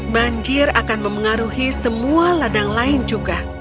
banjir akan memengaruhi semua ladang lain juga